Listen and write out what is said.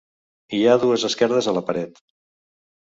Hi ha dues esquerdes a la paret.